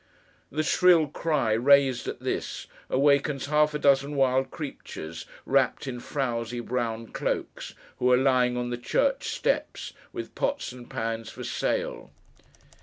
The shrill cry raised at this, awakens half a dozen wild creatures wrapped in frowsy brown cloaks, who are lying on the church steps with pots and pans for sale.